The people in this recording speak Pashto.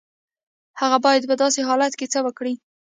هغه بايد په داسې حالت کې څه وکړي؟